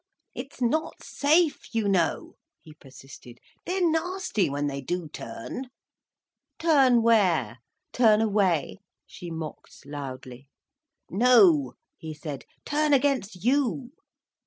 "It's not safe, you know," he persisted. "They're nasty, when they do turn." "Turn where? Turn away?" she mocked loudly. "No," he said, "turn against you."